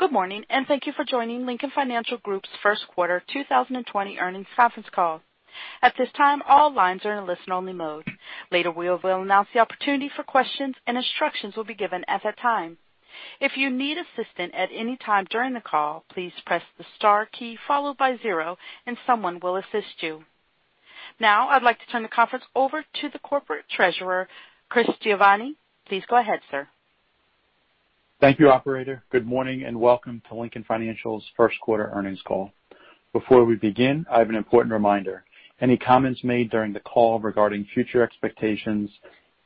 Good morning, thank you for joining Lincoln Financial Group's first quarter 2020 earnings conference call. At this time, all lines are in a listen-only mode. Later, we will announce the opportunity for questions, and instructions will be given at that time. If you need assistance at any time during the call, please press the star key followed by zero and someone will assist you. Now I'd like to turn the conference over to the Corporate Treasurer, Christopher Giovanni. Please go ahead, sir. Thank you, operator. Good morning, welcome to Lincoln Financial's first quarter earnings call. Before we begin, I have an important reminder. Any comments made during the call regarding future expectations,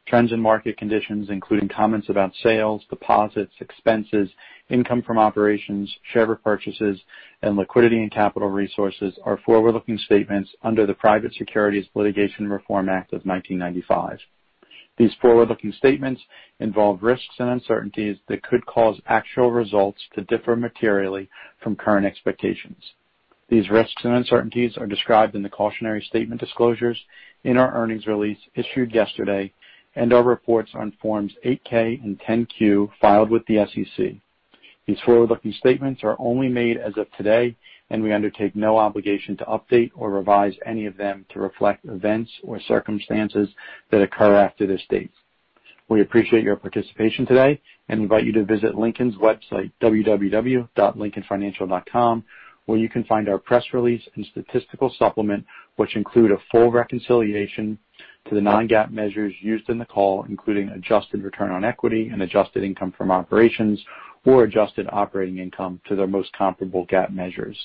trends and market conditions, including comments about sales, deposits, expenses, income from operations, share repurchases, and liquidity and capital resources are forward-looking statements under the Private Securities Litigation Reform Act of 1995. These forward-looking statements involve risks and uncertainties that could cause actual results to differ materially from current expectations. These risks and uncertainties are described in the cautionary statement disclosures in our earnings release issued yesterday and our reports on Forms 8-K and 10-Q filed with the SEC. These forward-looking statements are only made as of today, we undertake no obligation to update or revise any of them to reflect events or circumstances that occur after this date. We appreciate your participation today, invite you to visit Lincoln's website, www.lincolnfinancial.com, where you can find our press release and statistical supplement, which include a full reconciliation to the non-GAAP measures used in the call, including adjusted return on equity and adjusted income from operations or adjusted operating income to their most comparable GAAP measures.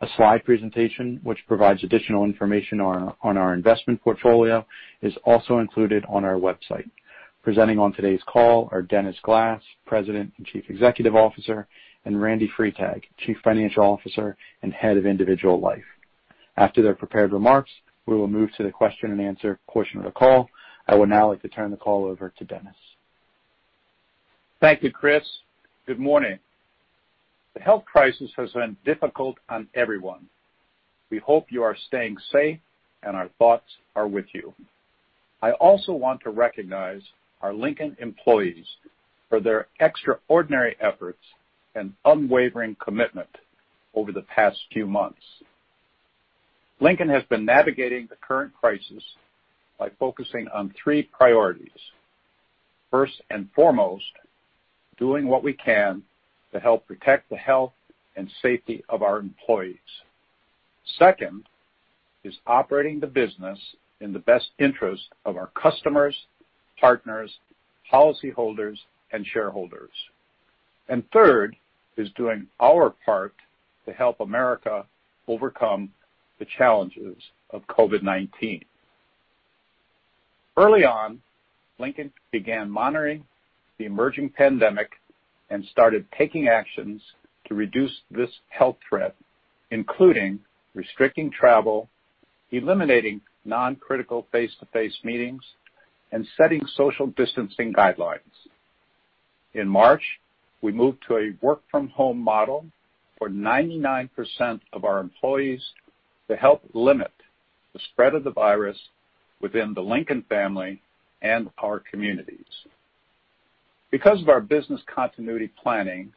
A slide presentation, which provides additional information on our investment portfolio, is also included on our website. Presenting on today's call are Dennis Glass, President and Chief Executive Officer, and Randal Freitag, Chief Financial Officer and Head of Individual Life. After their prepared remarks, we will move to the question and answer portion of the call. I would now like to turn the call over to Dennis. Thank you, Chris. Good morning. The health crisis has been difficult on everyone. We hope you are staying safe, our thoughts are with you. I also want to recognize our Lincoln employees for their extraordinary efforts and unwavering commitment over the past few months. Lincoln has been navigating the current crisis by focusing on three priorities. First and foremost, doing what we can to help protect the health and safety of our employees. Second is operating the business in the best interest of our customers, partners, policyholders, and shareholders. Third is doing our part to help America overcome the challenges of COVID-19. Early on, Lincoln began monitoring the emerging pandemic, started taking actions to reduce this health threat, including restricting travel, eliminating non-critical face-to-face meetings, and setting social distancing guidelines. In March, we moved to a work-from-home model for 99% of our employees to help limit the spread of the virus within the Lincoln family and our communities. Because of our business continuity planning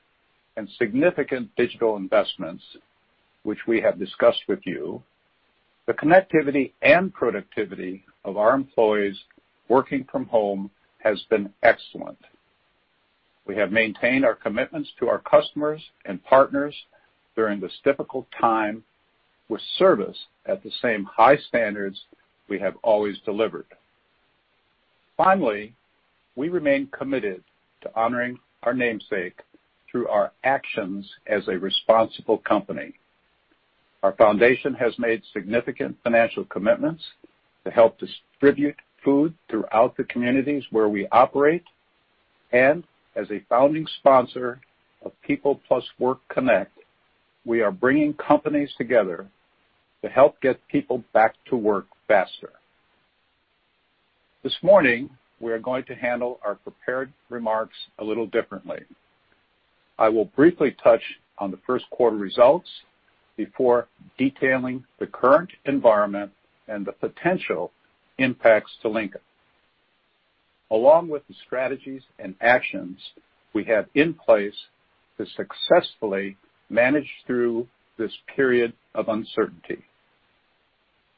and significant digital investments, which we have discussed with you, the connectivity and productivity of our employees working from home has been excellent. We have maintained our commitments to our customers and partners during this difficult time with service at the same high standards we have always delivered. We remain committed to honoring our namesake through our actions as a responsible company. Our foundation has made significant financial commitments to help distribute food throughout the communities where we operate. As a founding sponsor of People + Work Connect, we are bringing companies together to help get people back to work faster. This morning, we are going to handle our prepared remarks a little differently. I will briefly touch on the first quarter results before detailing the current environment and the potential impacts to Lincoln, along with the strategies and actions we have in place to successfully manage through this period of uncertainty.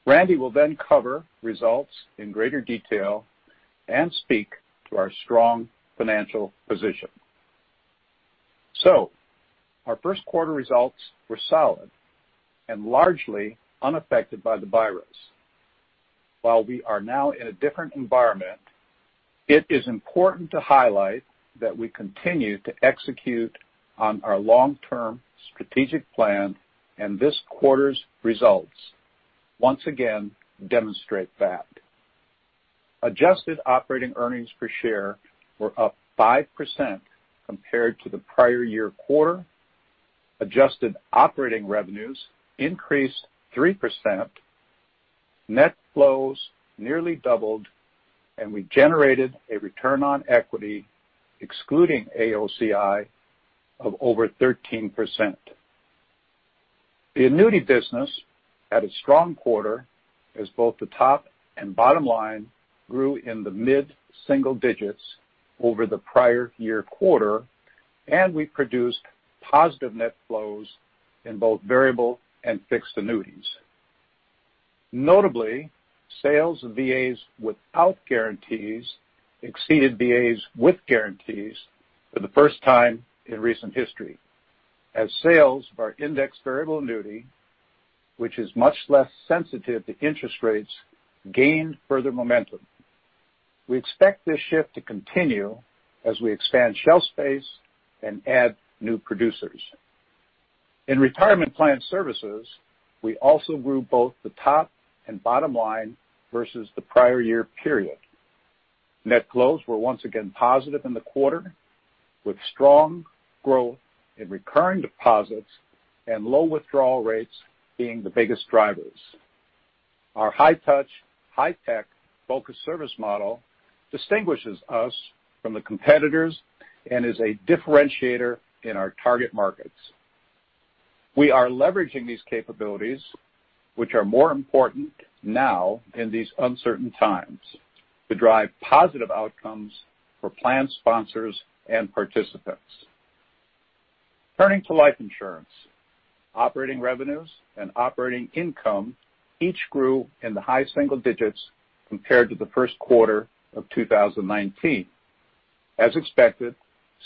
Randy will cover results in greater detail and speak to our strong financial position. Our first quarter results were solid and largely unaffected by the virus. While we are now in a different environment, it is important to highlight that we continue to execute on our long-term strategic plan, this quarter's results once again demonstrate that. Adjusted operating earnings per share were up 5% compared to the prior year quarter. Adjusted operating revenues increased 3%. Net flows nearly doubled, we generated a return on equity, excluding AOCI, of over 13%. The annuity business had a strong quarter as both the top and bottom line grew in the mid-single digits over the prior year quarter, we produced positive net flows in both variable and fixed annuities. Notably, sales of VAs without guarantees exceeded VAs with guarantees for the first time in recent history, as sales of our indexed variable annuity, which is much less sensitive to interest rates, gained further momentum. We expect this shift to continue as we expand shelf space and add new producers. In retirement plan services, we also grew both the top and bottom line versus the prior year period. Net flows were once again positive in the quarter, with strong growth in recurring deposits and low withdrawal rates being the biggest drivers. Our high touch, high tech focused service model distinguishes us from the competitors and is a differentiator in our target markets. We are leveraging these capabilities, which are more important now in these uncertain times, to drive positive outcomes for plan sponsors and participants. Turning to life insurance, operating revenues and operating income each grew in the high single digits compared to the first quarter of 2019. As expected,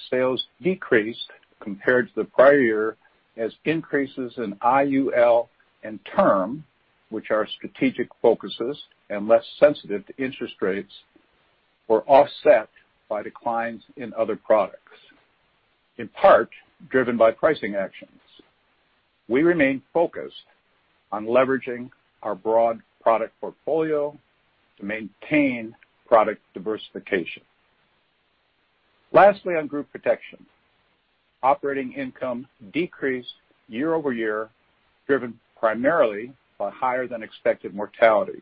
sales decreased compared to the prior year as increases in IUL and term, which are strategic focuses and less sensitive to interest rates, were offset by declines in other products, in part driven by pricing actions. We remain focused on leveraging our broad product portfolio to maintain product diversification. On group protection. Operating income decreased year-over-year, driven primarily by higher than expected mortality.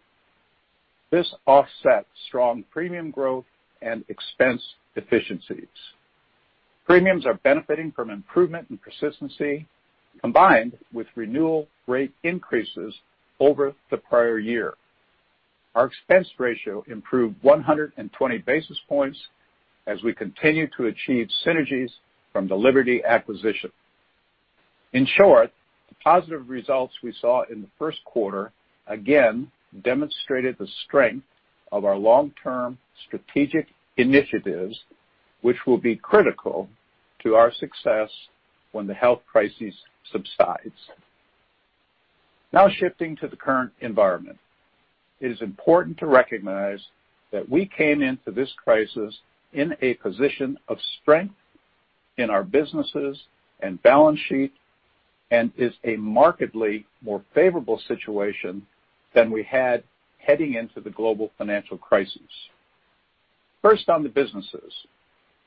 This offset strong premium growth and expense efficiencies. Premiums are benefiting from improvement in persistency, combined with renewal rate increases over the prior year. Our expense ratio improved 120 basis points as we continue to achieve synergies from the Liberty acquisition. In short, the positive results we saw in the first quarter again demonstrated the strength of our long-term strategic initiatives, which will be critical to our success when the health crisis subsides. Shifting to the current environment, it is important to recognize that we came into this crisis in a position of strength in our businesses and balance sheet and is a markedly more favorable situation than we had heading into the global financial crisis. First on the businesses,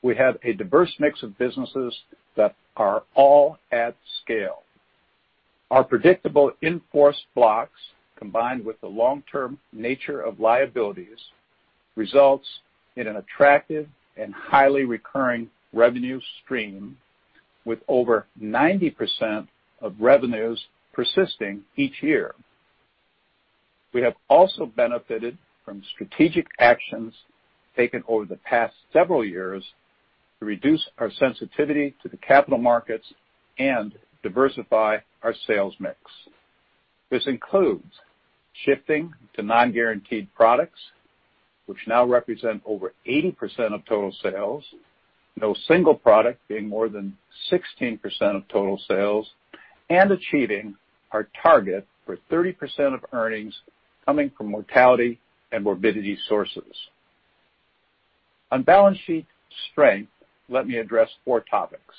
we have a diverse mix of businesses that are all at scale. Our predictable in-force blocks, combined with the long-term nature of liabilities, results in an attractive and highly recurring revenue stream with over 90% of revenues persisting each year. We have also benefited from strategic actions taken over the past several years to reduce our sensitivity to the capital markets and diversify our sales mix. This includes shifting to non-guaranteed products, which now represent over 80% of total sales, no single product being more than 16% of total sales, and achieving our target for 30% of earnings coming from mortality and morbidity sources. On balance sheet strength, let me address four topics.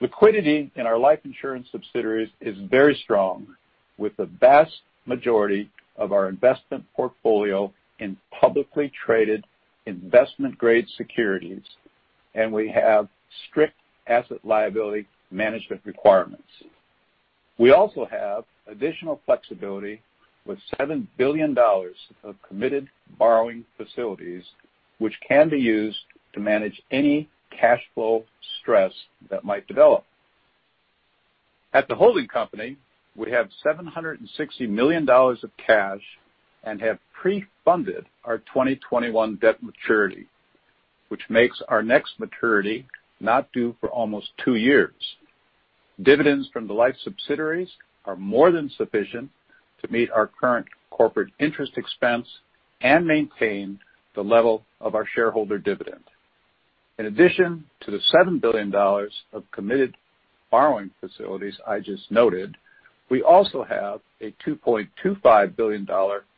Liquidity in our life insurance subsidiaries is very strong, with the vast majority of our investment portfolio in publicly traded investment-grade securities, and we have strict asset liability management requirements. We also have additional flexibility with $7 billion of committed borrowing facilities, which can be used to manage any cash flow stress that might develop. At the holding company, we have $760 million of cash and have pre-funded our 2021 debt maturity, which makes our next maturity not due for almost two years. Dividends from the life subsidiaries are more than sufficient to meet our current corporate interest expense and maintain the level of our shareholder dividend. In addition to the $7 billion of committed borrowing facilities I just noted, we also have a $2.25 billion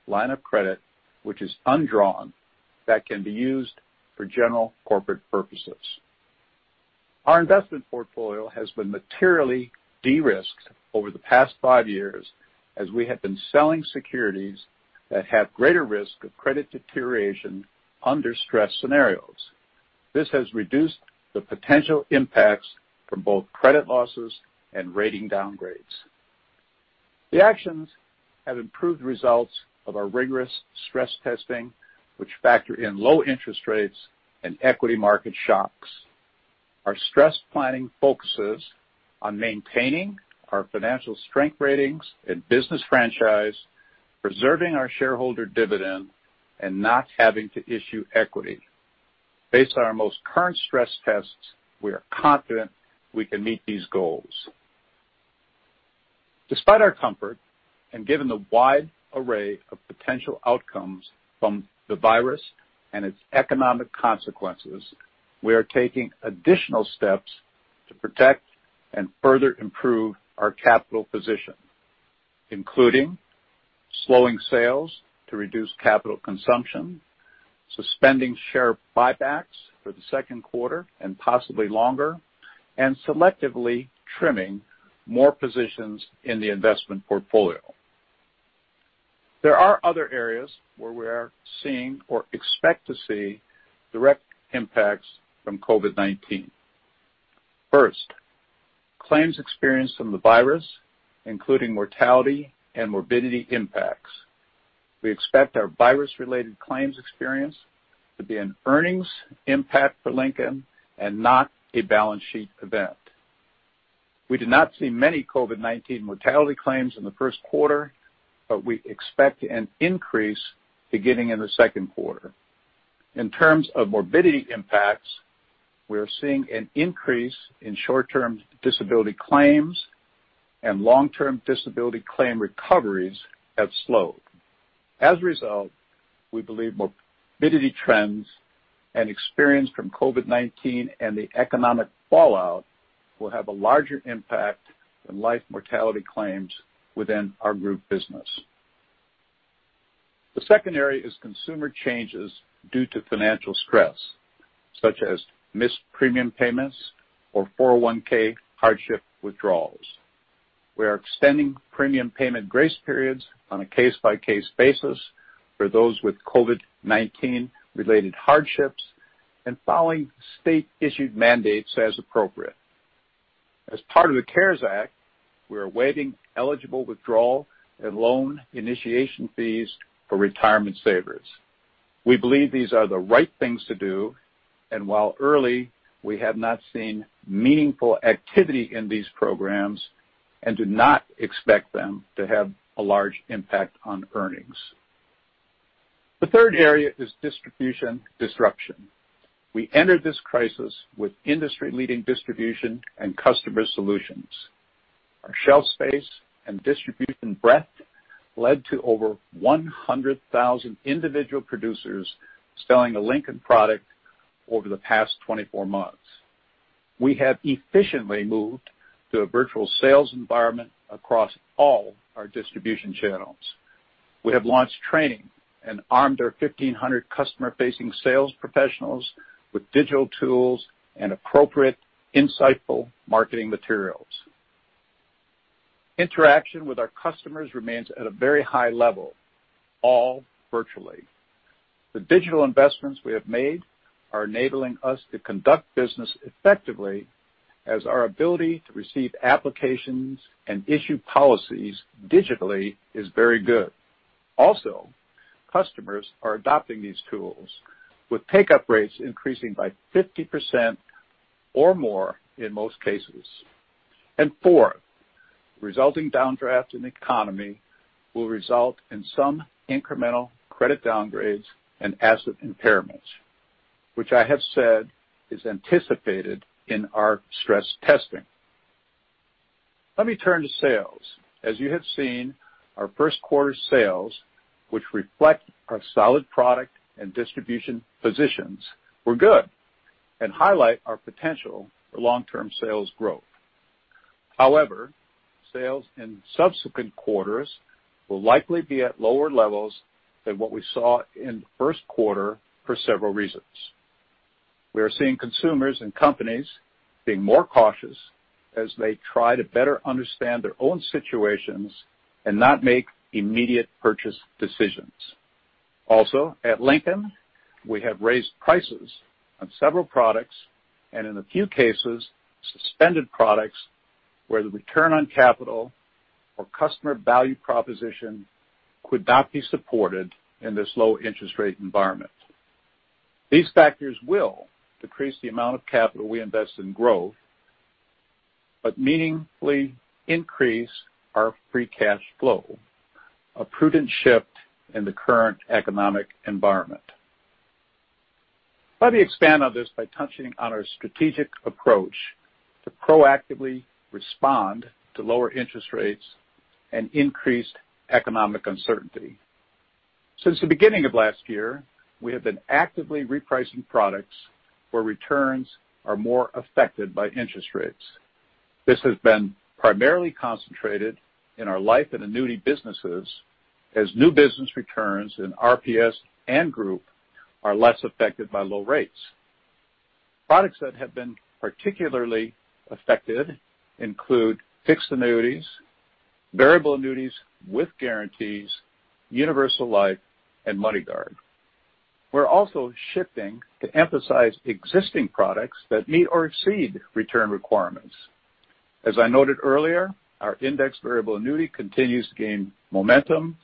line of credit, which is undrawn, that can be used for general corporate purposes. Our investment portfolio has been materially de-risked over the past five years as we have been selling securities that have greater risk of credit deterioration under stress scenarios. This has reduced the potential impacts from both credit losses and rating downgrades. The actions have improved results of our rigorous stress testing, which factor in low interest rates and equity market shocks. Our stress planning focuses on maintaining our financial strength ratings and business franchise, preserving our shareholder dividend, and not having to issue equity. Based on our most current stress tests, we are confident we can meet these goals. Despite our comfort, and given the wide array of potential outcomes from the virus and its economic consequences, we are taking additional steps to protect and further improve our capital position, including slowing sales to reduce capital consumption, suspending share buybacks for the second quarter and possibly longer, and selectively trimming more positions in the investment portfolio. There are other areas where we are seeing or expect to see direct impacts from COVID-19. First, claims experienced from the virus, including mortality and morbidity impacts. We expect our virus-related claims experience to be an earnings impact for Lincoln and not a balance sheet event. We did not see many COVID-19 mortality claims in the first quarter, but we expect an increase beginning in the second quarter. In terms of morbidity impacts, we are seeing an increase in short-term disability claims and long-term disability claim recoveries have slowed. As a result, we believe morbidity trends and experience from COVID-19 and the economic fallout will have a larger impact on life mortality claims within our group business. The second area is consumer changes due to financial stress, such as missed premium payments or 401k hardship withdrawals. We are extending premium payment grace periods on a case-by-case basis for those with COVID-19 related hardships and following state-issued mandates as appropriate. As part of the CARES Act, we are waiving eligible withdrawal and loan initiation fees for retirement savers. We believe these are the right things to do, while early, we have not seen meaningful activity in these programs and do not expect them to have a large impact on earnings. The third area is distribution disruption. We entered this crisis with industry-leading distribution and customer solutions. Our shelf space and distribution breadth led to over 100,000 individual producers selling a Lincoln product over the past 24 months. We have efficiently moved to a virtual sales environment across all our distribution channels. We have launched training and armed our 1,500 customer-facing sales professionals with digital tools and appropriate, insightful marketing materials. Interaction with our customers remains at a very high level, all virtually. The digital investments we have made are enabling us to conduct business effectively as our ability to receive applications and issue policies digitally is very good. Also, customers are adopting these tools, with take-up rates increasing by 50% or more in most cases. Four, resulting downdraft in economy will result in some incremental credit downgrades and asset impairments, which I have said is anticipated in our stress testing. Let me turn to sales. As you have seen, our first quarter sales, which reflect our solid product and distribution positions, were good and highlight our potential for long-term sales growth. However, sales in subsequent quarters will likely be at lower levels than what we saw in the first quarter for several reasons. We are seeing consumers and companies being more cautious as they try to better understand their own situations and not make immediate purchase decisions. Also, at Lincoln, we have raised prices on several products, and in a few cases, suspended products where the return on capital or customer value proposition could not be supported in this low interest rate environment. These factors will decrease the amount of capital we invest in growth, but meaningfully increase our free cash flow, a prudent shift in the current economic environment. Let me expand on this by touching on our strategic approach to proactively respond to lower interest rates and increased economic uncertainty. Since the beginning of last year, we have been actively repricing products where returns are more affected by interest rates. This has been primarily concentrated in our life and annuity businesses, as new business returns in RPS and Group are less affected by low rates. Products that have been particularly affected include fixed annuities, variable annuities with guarantees, universal life, and MoneyGuard. We're also shifting to emphasize existing products that meet or exceed return requirements. As I noted earlier, our indexed variable annuity continues to gain momentum,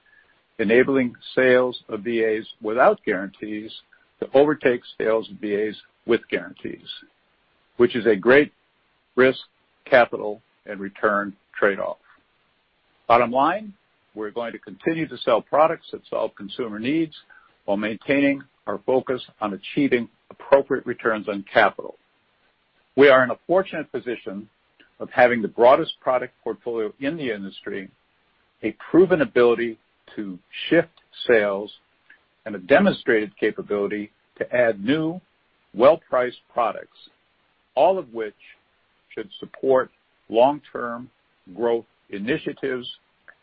enabling sales of VAs without guarantees to overtake sales of VAs with guarantees, which is a great risk, capital, and return trade-off. Bottom line, we're going to continue to sell products that solve consumer needs while maintaining our focus on achieving appropriate returns on capital. We are in a fortunate position of having the broadest product portfolio in the industry, a proven ability to shift sales, and a demonstrated capability to add new, well-priced products, all of which should support long-term growth initiatives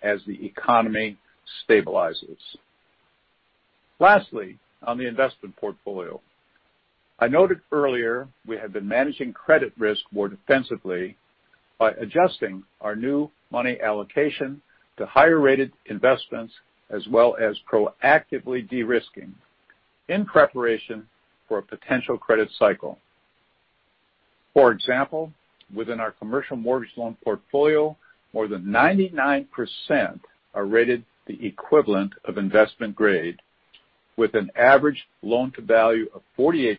as the economy stabilizes. Lastly, on the investment portfolio. I noted earlier we have been managing credit risk more defensively by adjusting our new money allocation to higher-rated investments as well as proactively de-risking in preparation for a potential credit cycle. For example, within our commercial mortgage loan portfolio, more than 99% are rated the equivalent of investment grade with an average loan-to-value of 48%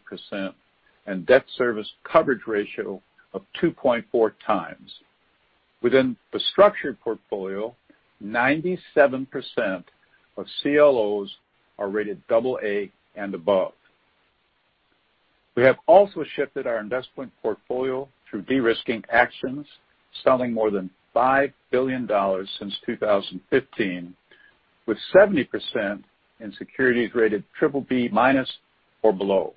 and debt service coverage ratio of 2.4 times. Within the structured portfolio, 97% of CLOs are rated double A and above. We have also shifted our investment portfolio through de-risking actions, selling more than $5 billion since 2015, with 70% in securities rated BBB minus or below.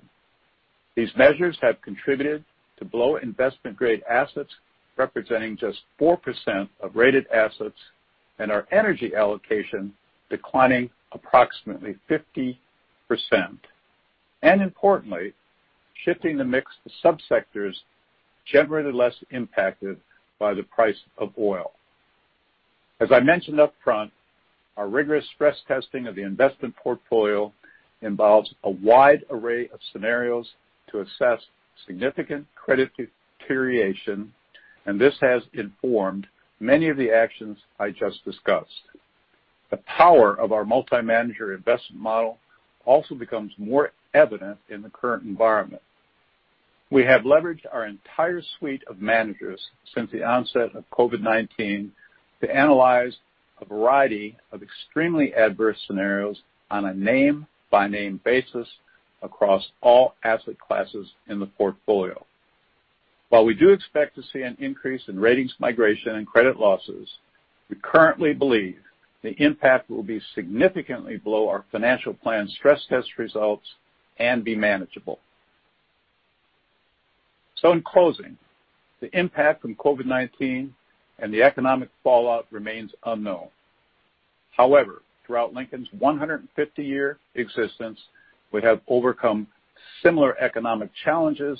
These measures have contributed to below investment-grade assets representing just 4% of rated assets and our energy allocation declining approximately 50%. Importantly, shifting the mix to subsectors generally less impacted by the price of oil. As I mentioned upfront, our rigorous stress testing of the investment portfolio involves a wide array of scenarios to assess significant credit deterioration, and this has informed many of the actions I just discussed. The power of our multi-manager investment model also becomes more evident in the current environment. We have leveraged our entire suite of managers since the onset of COVID-19 to analyze a variety of extremely adverse scenarios on a name-by-name basis across all asset classes in the portfolio. While we do expect to see an increase in ratings migration and credit losses, we currently believe the impact will be significantly below our financial plan stress test results and be manageable. In closing, the impact from COVID-19 and the economic fallout remains unknown. However, throughout Lincoln's 150-year existence, we have overcome similar economic challenges,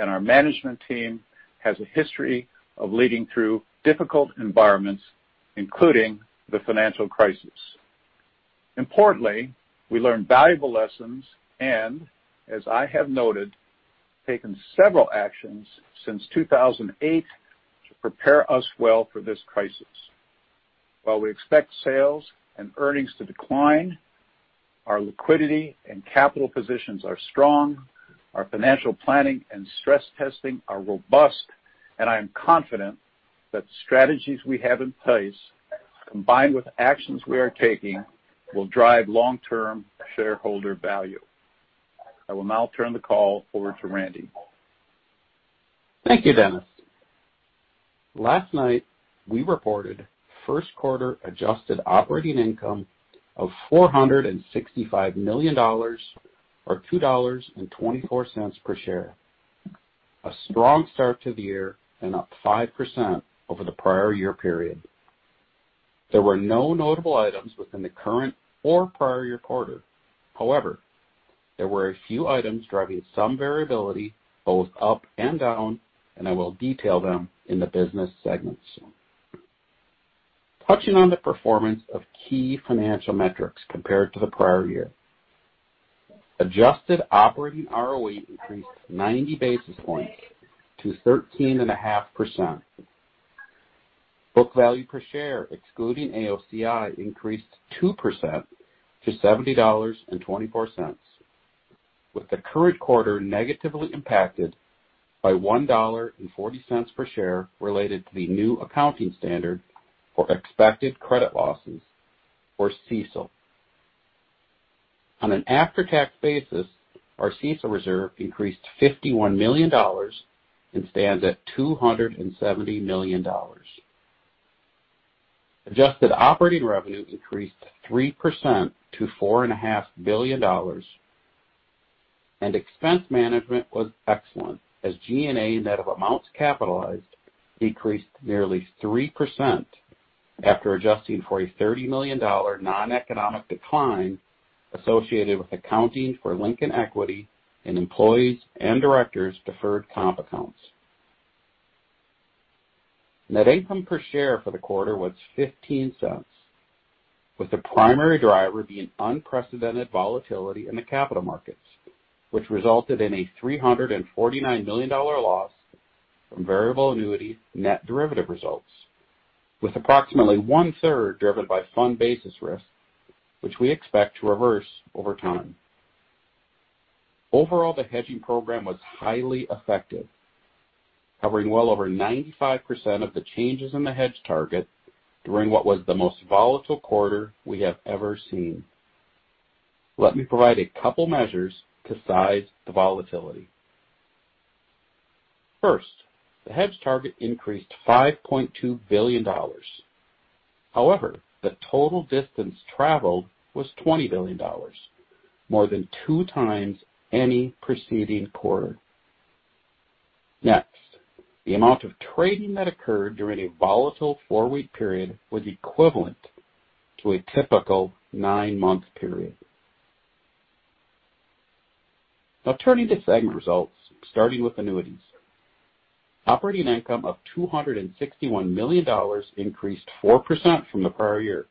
and our management team has a history of leading through difficult environments, including the financial crisis. Importantly, we learned valuable lessons and, as I have noted, taken several actions since 2008 to prepare us well for this crisis. While we expect sales and earnings to decline, our liquidity and capital positions are strong, our financial planning and stress testing are robust, and I am confident that strategies we have in place, combined with actions we are taking, will drive long-term shareholder value. I will now turn the call over to Randy. Thank you, Dennis. Last night, we reported first quarter adjusted operating income of $465 million or $2.24 per share. A strong start to the year and up 5% over the prior year period. There were no notable items within the current or prior year quarter. However, there were a few items driving some variability both up and down, I will detail them in the business segments soon. Touching on the performance of key financial metrics compared to the prior year. Adjusted operating ROE increased 90 basis points to 13.5%. Book value per share, excluding AOCI, increased 2% to $70.24, with the current quarter negatively impacted by $1.40 per share related to the new accounting standard for expected credit losses or CECL. On an after-tax basis, our CECL reserve increased $51 million and stands at $270 million. Adjusted operating revenue increased 3% to $4.5 billion. Expense management was excellent as G&A net of amounts capitalized decreased nearly 3% after adjusting for a $30 million non-economic decline associated with accounting for Lincoln Equity in employees' and directors' deferred comp accounts. Net income per share for the quarter was $0.15, with the primary driver being unprecedented volatility in the capital markets, which resulted in a $349 million loss from variable annuity net derivative results, with approximately one-third driven by fund basis risk, which we expect to reverse over time. Overall, the hedging program was highly effective, covering well over 95% of the changes in the hedge target during what was the most volatile quarter we have ever seen. Let me provide a couple measures to size the volatility. First, the hedge target increased $5.2 billion. However, the total distance traveled was $20 billion, more than two times any preceding quarter. Next, the amount of trading that occurred during a volatile 4-week period was equivalent to a typical 9-month period. Now turning to segment results, starting with annuities. Operating income of $261 million increased 4% from the prior year.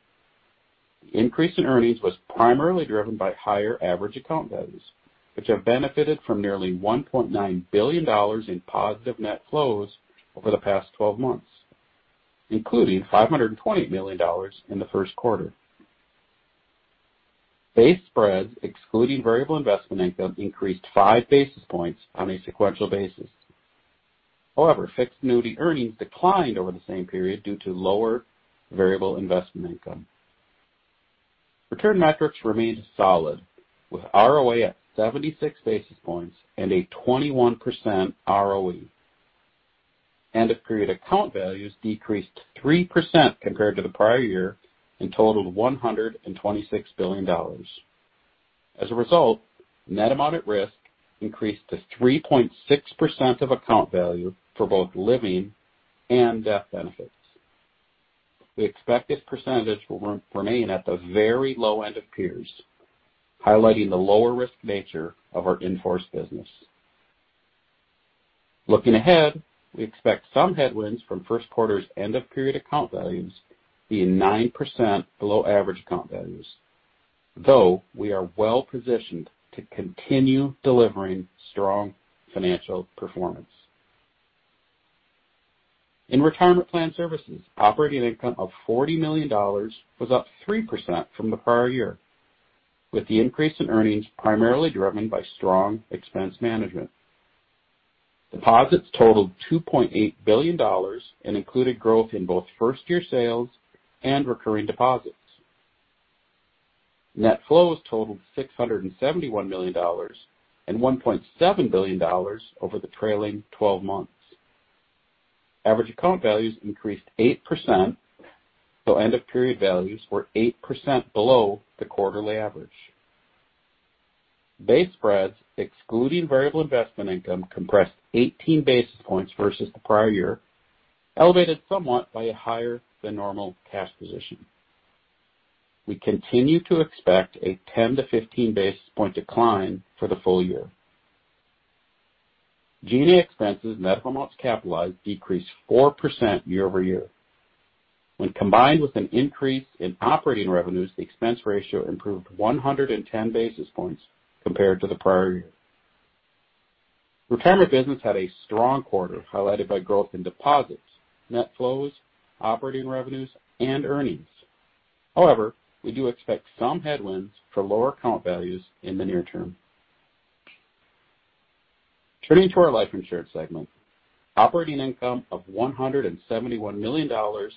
The increase in earnings was primarily driven by higher average account values, which have benefited from nearly $1.9 billion in positive net flows over the past 12 months, including $520 million in the first quarter. Base spreads, excluding variable investment income, increased 5 basis points on a sequential basis. However, fixed annuity earnings declined over the same period due to lower variable investment income. Return metrics remained solid, with ROA at 76 basis points and a 21% ROE. End-of-period account values decreased 3% compared to the prior year and totaled $126 billion. As a result, net amount at risk increased to 3.6% of account value for both living and death benefits. We expect this percentage will remain at the very low end of peers, highlighting the lower risk nature of our in-force business. Looking ahead, we expect some headwinds from first quarter's end-of-period account values being 9% below average account values, though we are well positioned to continue delivering strong financial performance. In retirement plan services, operating income of $40 million was up 3% from the prior year, with the increase in earnings primarily driven by strong expense management. Deposits totaled $2.8 billion and included growth in both first-year sales and recurring deposits. Net flows totaled $671 million and $1.7 billion over the trailing 12 months. Average account values increased 8%, so end-of-period values were 8% below the quarterly average. Base spreads, excluding variable investment income, compressed 18 basis points versus the prior year, elevated somewhat by a higher than normal cash position. We continue to expect a 10-15 basis point decline for the full year. G&A expenses net of amounts capitalized decreased 4% year-over-year. When combined with an increase in operating revenues, the expense ratio improved 110 basis points compared to the prior year. Retirement business had a strong quarter, highlighted by growth in deposits, net flows, operating revenues, and earnings. However, we do expect some headwinds for lower account values in the near term. Turning to our life insurance segment. Operating income of $171 million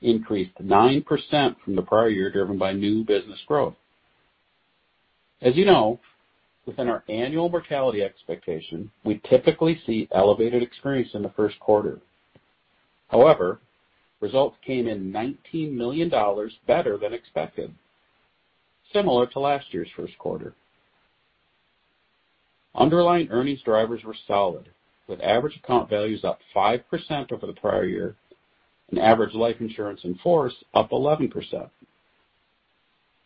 increased 9% from the prior year, driven by new business growth. As you know, within our annual mortality expectation, we typically see elevated experience in the first quarter. However, results came in $19 million better than expected, similar to last year's first quarter. Underlying earnings drivers were solid, with average account values up 5% over the prior year and average life insurance in force up 11%.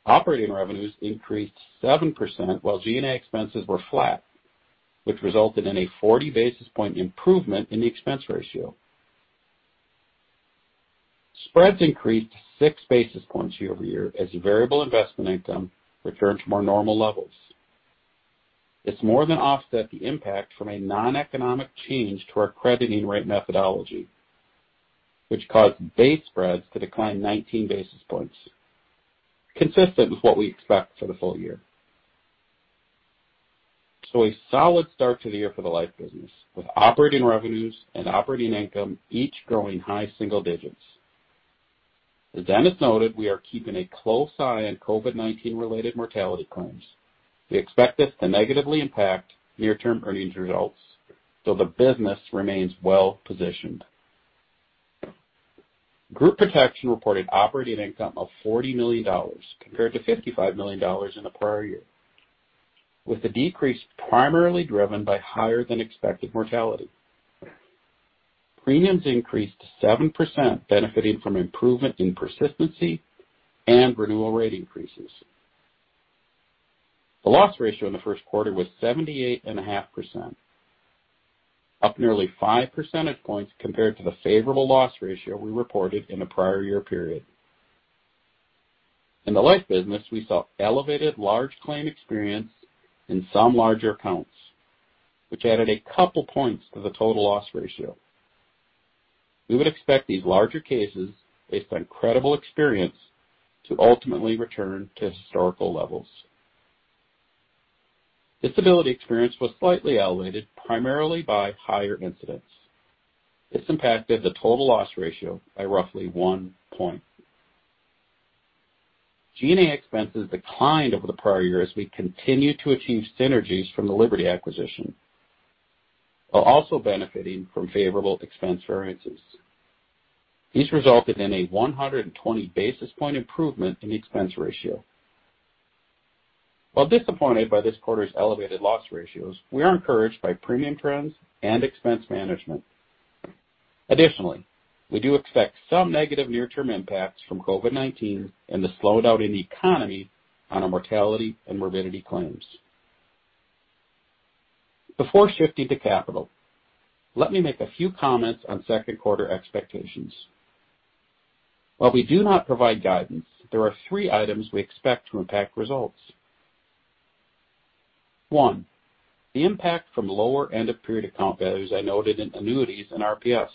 Operating revenues increased 7%, while G&A expenses were flat, which resulted in a 40 basis point improvement in the expense ratio. Spreads increased 6 basis points year-over-year as variable investment income returned to more normal levels. This more than offset the impact from a non-economic change to our crediting rate methodology, which caused base spreads to decline 19 basis points, consistent with what we expect for the full year. A solid start to the year for the life business, with operating revenues and operating income each growing high single digits. As Dennis noted, we are keeping a close eye on COVID-19 related mortality claims. We expect this to negatively impact near-term earnings results, though the business remains well positioned. Group Protection reported operating income of $40 million compared to $55 million in the prior year, with the decrease primarily driven by higher than expected mortality. Premiums increased 7%, benefiting from improvement in persistency and renewal rate increases. The loss ratio in the first quarter was 78.5%, up nearly 5 percentage points compared to the favorable loss ratio we reported in the prior year period. In the life business, we saw elevated large claim experience in some larger accounts, which added a couple points to the total loss ratio. We would expect these larger cases, based on credible experience, to ultimately return to historical levels. Disability experience was slightly elevated, primarily by higher incidents. This impacted the total loss ratio by roughly 1 point. G&A expenses declined over the prior year as we continued to achieve synergies from the Liberty acquisition, while also benefiting from favorable expense variances. These resulted in a 120 basis point improvement in the expense ratio. While disappointed by this quarter's elevated loss ratios, we are encouraged by premium trends and expense management. Additionally, we do expect some negative near-term impacts from COVID-19 and the slowdown in the economy on our mortality and morbidity claims. Before shifting to capital, let me make a few comments on second quarter expectations. While we do not provide guidance, there are three items we expect to impact results. One, the impact from lower end of period account values I noted in annuities and RPS.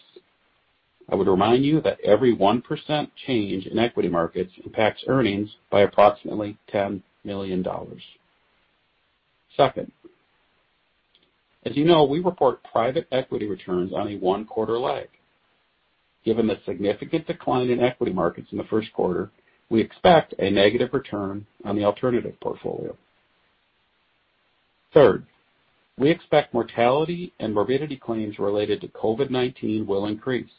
I would remind you that every 1% change in equity markets impacts earnings by approximately $10 million. Second, as you know, we report private equity returns on a one-quarter lag. Given the significant decline in equity markets in the first quarter, we expect a negative return on the alternative portfolio. Third, we expect mortality and morbidity claims related to COVID-19 will increase.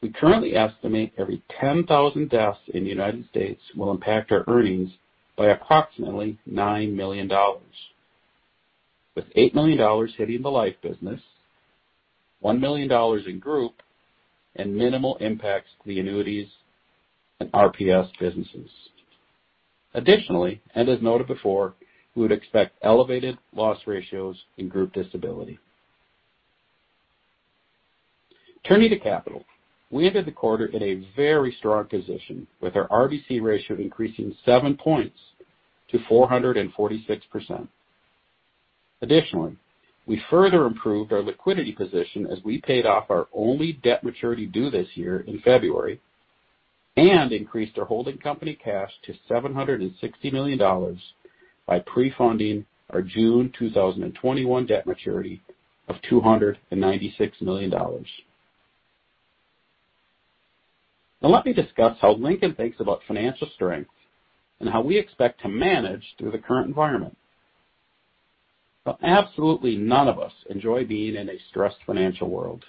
We currently estimate every 10,000 deaths in the U.S. will impact our earnings by approximately $9 million, with $8 million hitting the life business, $1 million in group, and minimal impacts to the annuities and RPS businesses. Additionally, and as noted before, we would expect elevated loss ratios in group disability. Turning to capital, we ended the quarter in a very strong position with our RBC ratio increasing seven points to 446%. Additionally, we further improved our liquidity position as we paid off our only debt maturity due this year in February and increased our holding company cash to $760 million by pre-funding our June 2021 debt maturity of $296 million. Now let me discuss how Lincoln thinks about financial strength and how we expect to manage through the current environment. While absolutely none of us enjoy being in a stressed financial world,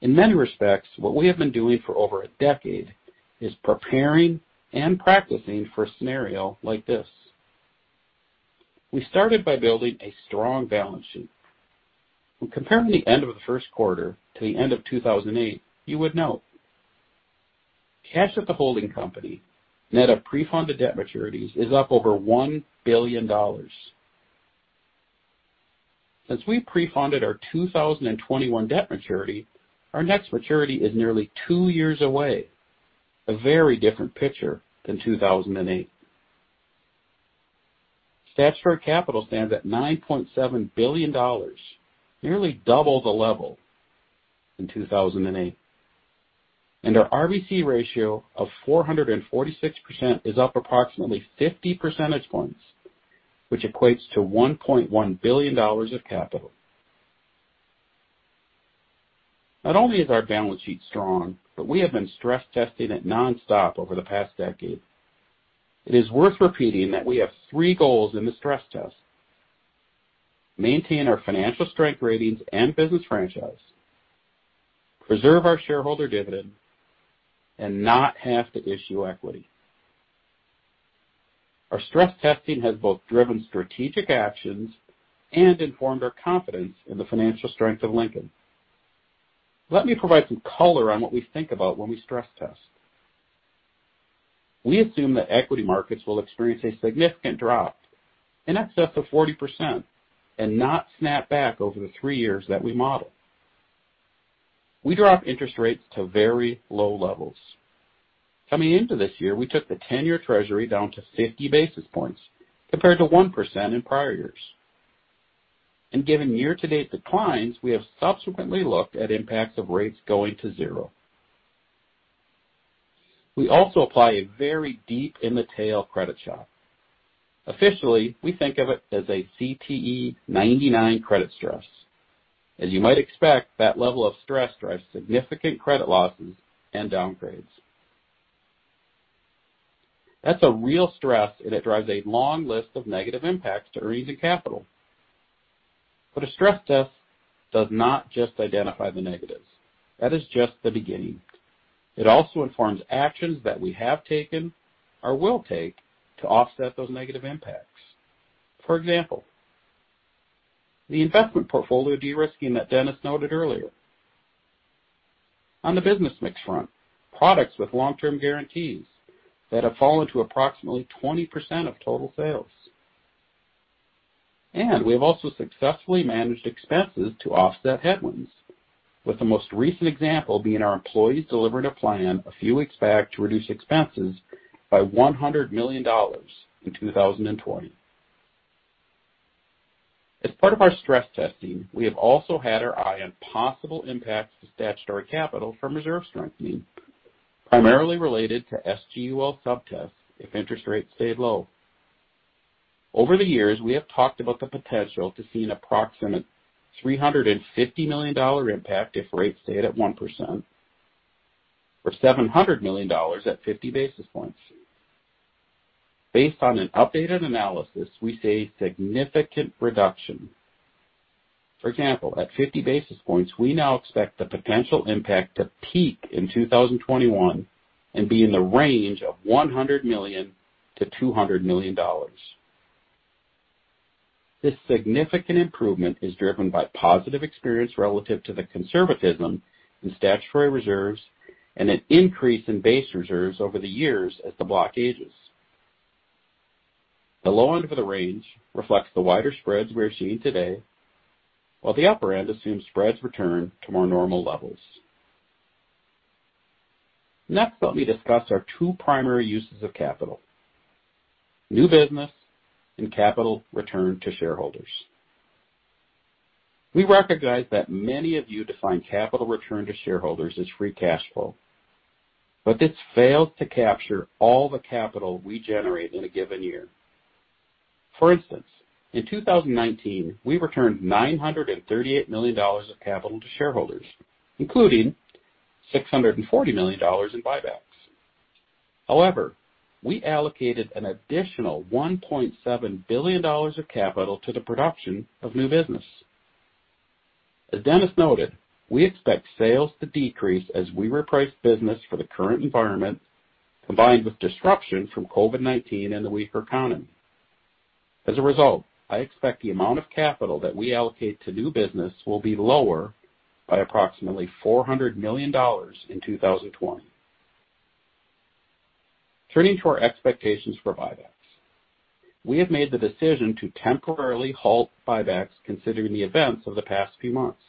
in many respects, what we have been doing for over a decade is preparing and practicing for a scenario like this. We started by building a strong balance sheet. When comparing the end of the first quarter to the end of 2008, you would note, cash at the holding company, net of pre-funded debt maturities, is up over $1 billion. Since we pre-funded our 2021 debt maturity, our next maturity is nearly two years away, a very different picture than 2008. Stats for our capital stands at $9.7 billion, nearly double the level in 2008. Our RBC ratio of 446% is up approximately 50 percentage points, which equates to $1.1 billion of capital. Not only is our balance sheet strong, but we have been stress testing it nonstop over the past decade. It is worth repeating that we have three goals in the stress test: maintain our financial strength ratings and business franchise, preserve our shareholder dividend, and not have to issue equity. Our stress testing has both driven strategic actions and informed our confidence in the financial strength of Lincoln. Let me provide some color on what we think about when we stress test. We assume that equity markets will experience a significant drop, in excess of 40%, and not snap back over the three years that we model. We drop interest rates to very low levels. Coming into this year, we took the 10-year treasury down to 50 basis points compared to 1% in prior years. Given year-to-date declines, we have subsequently looked at impacts of rates going to zero. We also apply a very deep in the tail credit shock. Officially, we think of it as a CTE 99 credit stress. As you might expect, that level of stress drives significant credit losses and downgrades. That's a real stress, and it drives a long list of negative impacts to our easy capital. A stress test does not just identify the negatives. That is just the beginning. It also informs actions that we have taken or will take to offset those negative impacts. For example, the investment portfolio de-risking that Dennis noted earlier. On the business mix front, products with long-term guarantees that have fallen to approximately 20% of total sales. We have also successfully managed expenses to offset headwinds, with the most recent example being our employees delivering a plan a few weeks back to reduce expenses by $100 million in 2020. As part of our stress testing, we have also had our eye on possible impacts to statutory capital from reserve strengthening, primarily related to SGUL subtests if interest rates stayed low. Over the years, we have talked about the potential to see an approximate $350 million impact if rates stayed at 1%, or $700 million at 50 basis points. Based on an updated analysis, we see a significant reduction. For example, at 50 basis points, we now expect the potential impact to peak in 2021 and be in the range of $100 million to $200 million. This significant improvement is driven by positive experience relative to the conservatism in statutory reserves and an increase in base reserves over the years as the block ages. The low end of the range reflects the wider spreads we are seeing today, while the upper end assumes spreads return to more normal levels. Next, let me discuss our two primary uses of capital, new business and capital return to shareholders. We recognize that many of you define capital return to shareholders as free cash flow, but this fails to capture all the capital we generate in a given year. For instance, in 2019, we returned $938 million of capital to shareholders, including $640 million in buybacks. However, we allocated an additional $1.7 billion of capital to the production of new business. As Dennis noted, we expect sales to decrease as we reprice business for the current environment, combined with disruption from COVID-19 and the weaker economy. As a result, I expect the amount of capital that we allocate to new business will be lower by approximately $400 million in 2020. Turning to our expectations for buybacks. We have made the decision to temporarily halt buybacks considering the events of the past few months.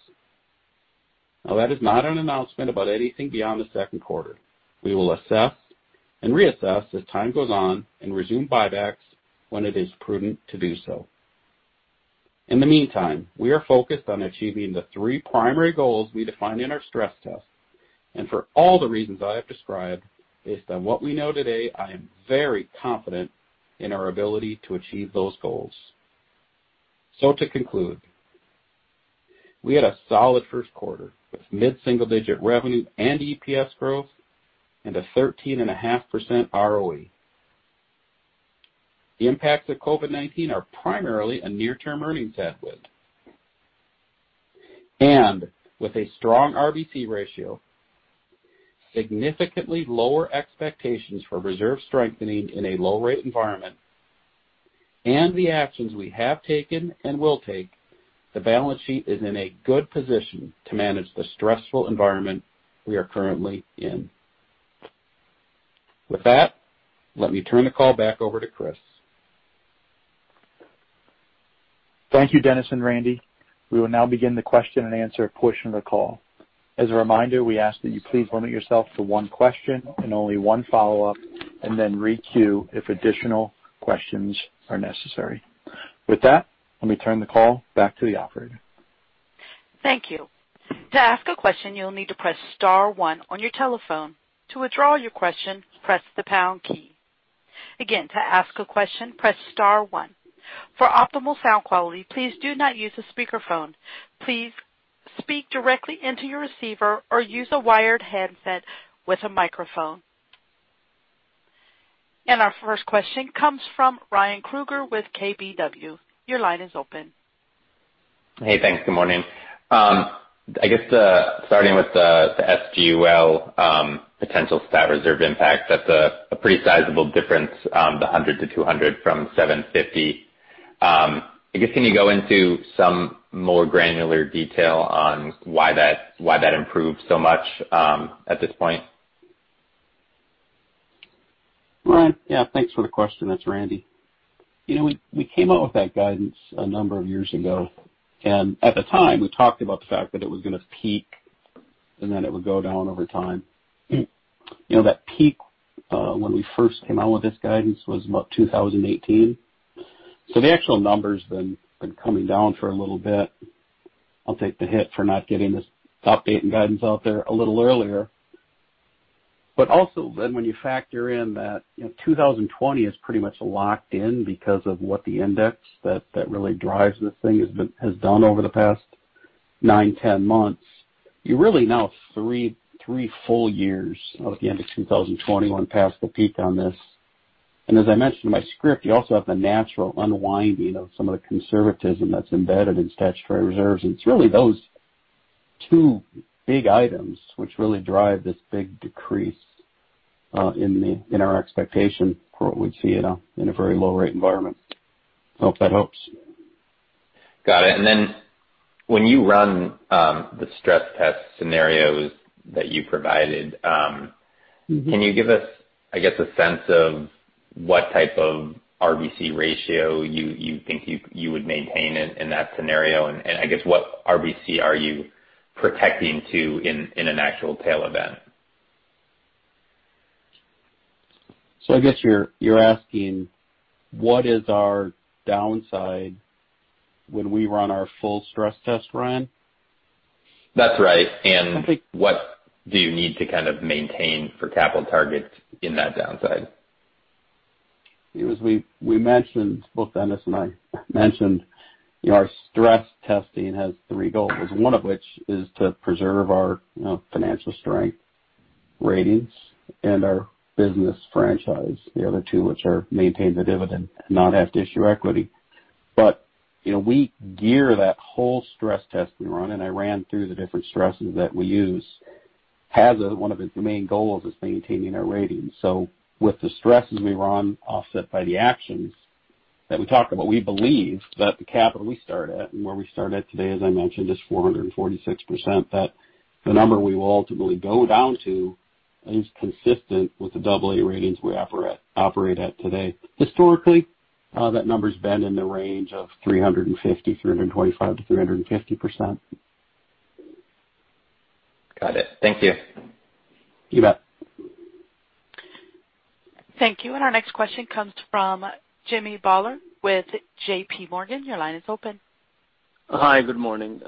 That is not an announcement about anything beyond the second quarter. We will assess and reassess as time goes on and resume buybacks when it is prudent to do so. In the meantime, we are focused on achieving the three primary goals we defined in our stress test, and for all the reasons I have described, based on what we know today, I am very confident in our ability to achieve those goals. To conclude, we had a solid first quarter with mid-single-digit revenue and EPS growth and a 13.5% ROE. The impacts of COVID-19 are primarily a near-term earnings headwind. With a strong RBC ratio, significantly lower expectations for reserve strengthening in a low-rate environment, and the actions we have taken and will take, the balance sheet is in a good position to manage the stressful environment we are currently in. With that, let me turn the call back over to Chris. Thank you, Dennis and Randy. We will now begin the question and answer portion of the call. As a reminder, we ask that you please limit yourself to one question and only one follow-up, and then re-queue if additional questions are necessary. With that, let me turn the call back to the operator. Thank you. To ask a question, you'll need to press *1 on your telephone. To withdraw your question, press the # key. Again, to ask a question, press *1. For optimal sound quality, please do not use the speakerphone. Please speak directly into your receiver or use a wired headset with a microphone. Our first question comes from Ryan Krueger with KBW. Your line is open. Hey, thanks. Good morning. Starting with the SGUL potential stat reserve impact, that's a pretty sizable difference, the $100-$200 million from $700 million. Can you go into some more granular detail on why that improved so much at this point? Ryan, yeah. Thanks for the question. That's Randy. We came out with that guidance a number of years ago, and at the time, we talked about the fact that it was going to peak and then it would go down over time. That peak when we first came out with this guidance was about 2018. The actual number's been coming down for a little bit. I'll take the hit for not getting this update and guidance out there a little earlier. Also then when you factor in that 2020 is pretty much locked in because of what the index that really drives this thing has done over the past nine, 10 months, you really now have three full years at the end of 2021 past the peak on this. As I mentioned in my script, you also have the natural unwinding of some of the conservatism that's embedded in statutory reserves. It's really those two big items which really drive this big decrease in our expectation for what we'd see in a very low-rate environment. Hope that helps. Got it. When you run the stress test scenarios that you provided Can you give us, I guess, a sense of what type of RBC ratio you think you would maintain in that scenario and I guess what RBC are you protecting to in an actual tail event? I guess you're asking what is our downside when we run our full stress test, Ryan? That's right. What do you need to kind of maintain for capital targets in that downside? As we mentioned, both Dennis and I mentioned, our stress testing has three goals, one of which is to preserve our financial strength ratings and our business franchise. The other two, which are maintain the dividend and not have to issue equity. We gear that whole stress test we run, and I ran through the different stresses that we use, has one of its main goals is maintaining our ratings. With the stresses we run offset by the actions that we talk about, we believe that the capital we start at and where we start at today, as I mentioned, is 446%, that the number we will ultimately go down to is consistent with the AA ratings we operate at today. Historically, that number's been in the range of 325%-350%. Got it. Thank you. You bet. Thank you. Our next question comes from Jimmy Bhullar with JPMorgan. Your line is open. Hi. Good morning.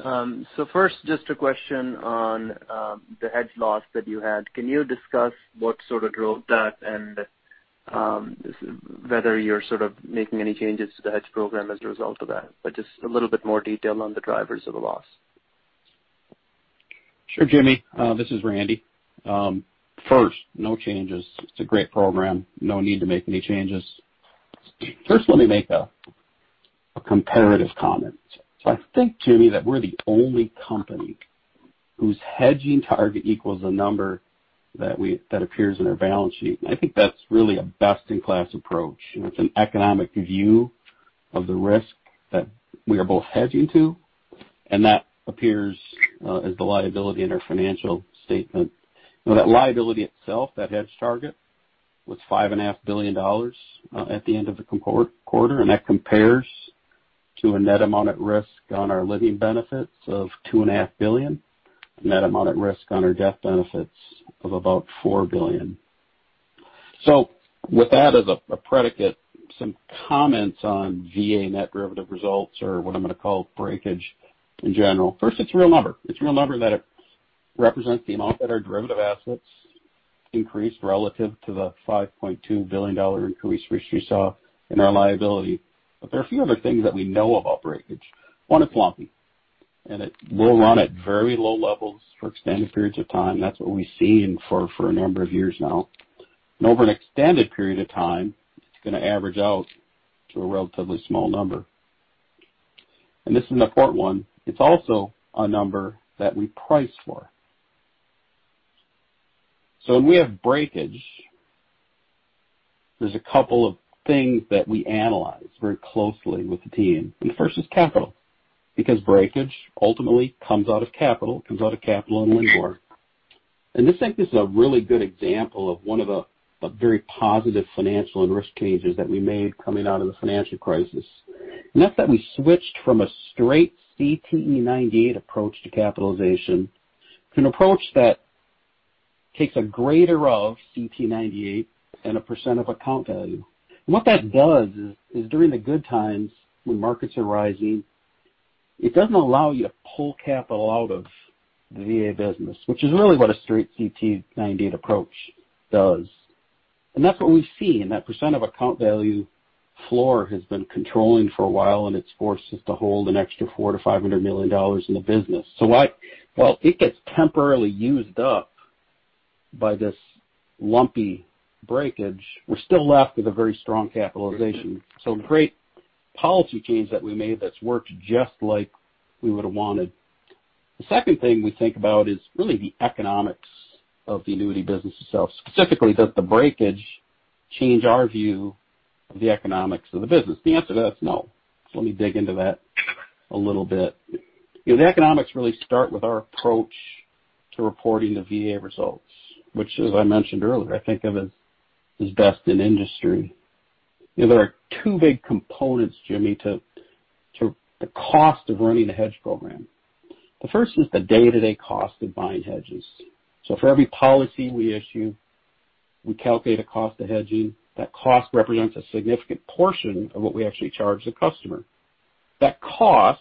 First, just a question on the hedge loss that you had. Can you discuss what sort of drove that and whether you're sort of making any changes to the hedge program as a result of that? Just a little bit more detail on the drivers of the loss. Sure, Jimmy. This is Randy. First, no changes. It's a great program. No need to make any changes. First, let me make a comparative comment. I think, Jimmy, that we're the only company whose hedging target equals a number that appears in our balance sheet. I think that's really a best-in-class approach, and it's an economic view of the risk that we are both hedging to, and that appears as the liability in our financial statement. That liability itself, that hedge target, was $5.5 billion at the end of the quarter, and that compares to a net amount at risk on our living benefits of $2.5 billion, net amount at risk on our death benefits of about $4 billion. With that as a predicate, some comments on VA net derivative results or what I'm going to call breakage in general. First, it's a real number. It's a real number that represents the amount that our derivative assets increased relative to the $5.2 billion increase which we saw in our liability. There are a few other things that we know about breakage. One, it's lumpy, and it will run at very low levels for extended periods of time. That's what we've seen for a number of years now. Over an extended period of time, it's going to average out to a relatively small number. This is an important one. It's also a number that we price for. When we have breakage, there's a couple of things that we analyze very closely with the team, and the first is capital, because breakage ultimately comes out of capital, comes out of capital and earnings. This, I think, is a really good example of one of a very positive financial and risk changes that we made coming out of the financial crisis. That's that we switched from a straight CTE 98 approach to capitalization to an approach that takes a greater of CTE 98 and a percent of account value. What that does is, during the good times when markets are rising, it doesn't allow you to pull capital out of the VA business, which is really what a straight CTE 98 approach does. That's what we've seen, that percent of account value floor has been controlling for a while, and it's forced us to hold an extra $400 million-$500 million in the business. While it gets temporarily used up by this lumpy breakage, we're still left with a very strong capitalization. Great policy change that we made that's worked just like we would have wanted. The second thing we think about is really the economics of the annuity business itself. Specifically, does the breakage change our view of the economics of the business? The answer to that is no. Let me dig into that a little bit. The economics really start with our approach to reporting the VA results, which as I mentioned earlier, I think of as best in industry. There are two big components, Jimmy, to the cost of running a hedge program. The first is the day-to-day cost of buying hedges. For every policy we issue, we calculate a cost of hedging. That cost represents a significant portion of what we actually charge the customer. That cost,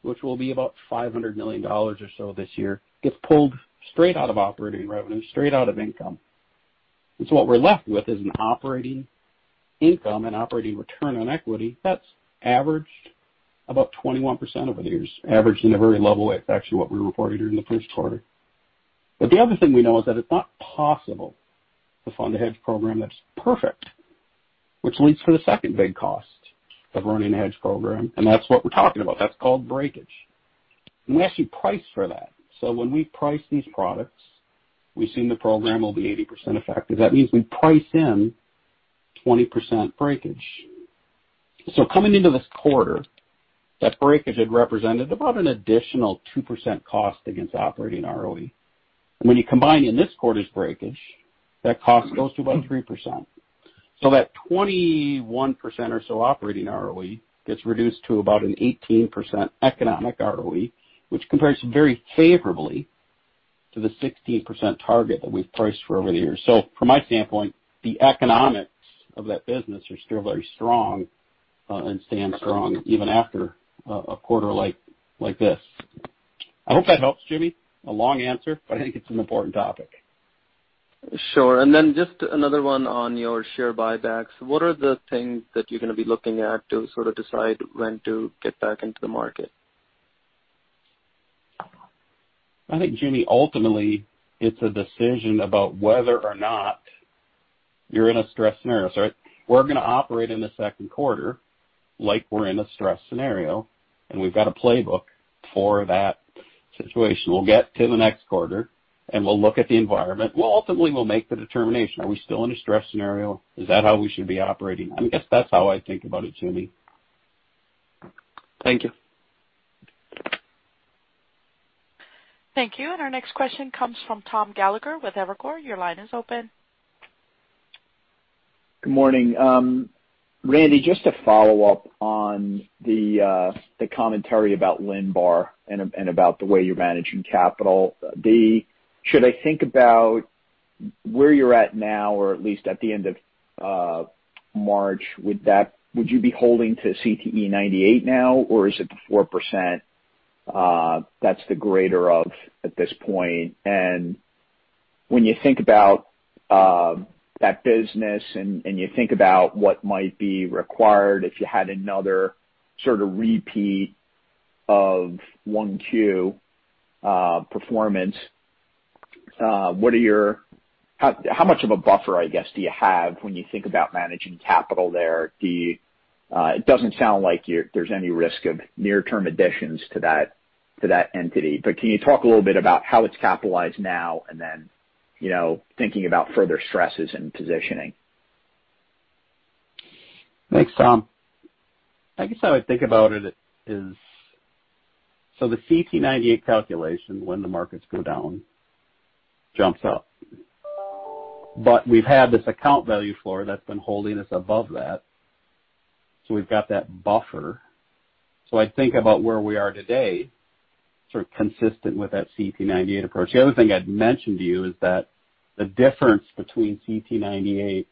which will be about $500 million or so this year, gets pulled straight out of operating revenue, straight out of income. What we're left with is an operating income and operating return on equity that's averaged about 21% over the years, averaged in a very level way. It's actually what we reported during the first quarter. The other thing we know is that it's not possible to fund a hedge program that's perfect, which leads to the second big cost of running a hedge program, and that's what we're talking about. That's called breakage. We actually price for that. When we price these products, we assume the program will be 80% effective. That means we price in 20% breakage. Coming into this quarter, that breakage had represented about an additional 2% cost against operating ROE. When you combine in this quarter's breakage, that cost goes to about 3%. That 21% or so operating ROE gets reduced to about an 18% economic ROE, which compares very favorably to the 16% target that we've priced for over the years. From my standpoint, the economics of that business are still very strong, and stand strong even after a quarter like this. I hope that helps, Jimmy. A long answer, but I think it's an important topic. Sure. Then just another one on your share buybacks. What are the things that you're going to be looking at to sort of decide when to get back into the market? I think, Jimmy, ultimately, it's a decision about whether or not you're in a stress scenario. We're going to operate in the second quarter like we're in a stress scenario, and we've got a playbook for that situation. We'll get to the next quarter and we'll look at the environment. We'll ultimately make the determination, are we still in a stress scenario? Is that how we should be operating? I guess that's how I think about it, Jimmy. Thank you. Thank you. Our next question comes from Thomas Gallagher with Evercore. Your line is open. Good morning. Randy, just to follow up on the commentary about Linbar and about the way you're managing capital. Should I think about where you're at now, or at least at the end of March? Would you be holding to CTE 98 now, or is it the 4% that's the greater of at this point? When you think about that business and you think about what might be required if you had another sort of repeat of 1Q performance, how much of a buffer, I guess, do you have when you think about managing capital there? It doesn't sound like there's any risk of near-term additions to that entity. Can you talk a little bit about how it's capitalized now and then thinking about further stresses and positioning? Thanks, Tom. I guess how I think about it is, the CTE 98 calculation when the markets go down jumps up. We've had this account value floor that's been holding us above that, we've got that buffer. I think about where we are today, sort of consistent with that CTE 98 approach. The other thing I'd mention to you is that the difference between CTE 98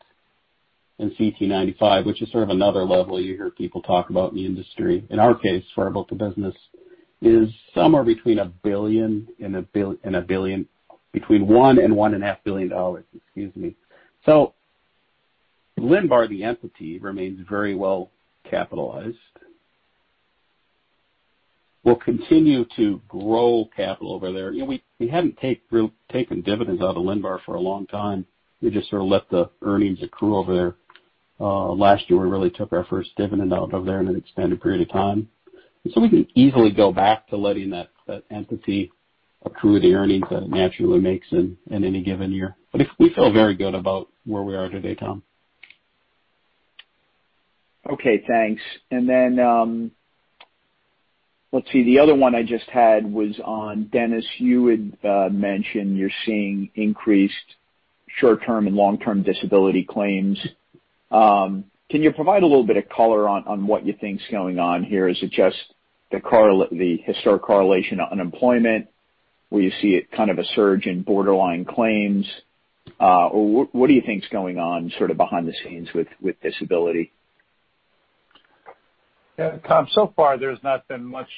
and CTE 95, which is sort of another level you hear people talk about in the industry, in our case, for our book of business, is somewhere between $1 billion and $1.5 billion. Excuse me. Linbar, the entity, remains very well capitalized. We'll continue to grow capital over there. We hadn't taken dividends out of Linbar for a long time. We just sort of let the earnings accrue over there. Last year, we really took our first dividend out of there in an extended period of time. We can easily go back to letting that entity accrue the earnings that it naturally makes in any given year. We feel very good about where we are today, Tom. Okay, thanks. Let's see. The other one I just had was on Dennis, you had mentioned you're seeing increased short-term and long-term disability claims. Can you provide a little bit of color on what you think is going on here? Is it just the historic correlation to unemployment where you see kind of a surge in borderline claims? What do you think is going on sort of behind the scenes with disability? Tom, so far there's not been much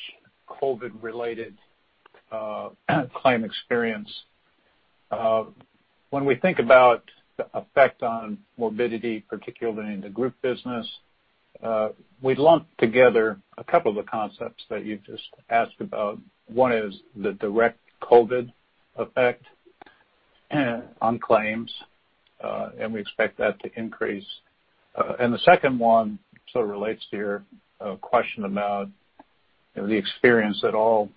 COVID-related claim experience. When we think about the effect on morbidity, particularly in the group business, we lump together a couple of the concepts that you just asked about. One is the direct COVID effect on claims, and we expect that to increase. The second one sort of relates to your question about the experience that all